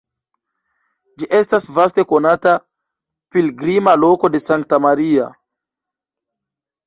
Ĝi estas vaste konata pilgrima loko de Sankta Maria.